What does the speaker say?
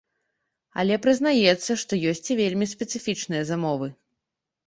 Але прызнаецца, што ёсць і вельмі спецыфічныя замовы.